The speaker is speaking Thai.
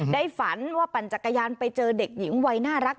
ฝันว่าปั่นจักรยานไปเจอเด็กหญิงวัยน่ารัก